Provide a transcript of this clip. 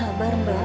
om terima kasih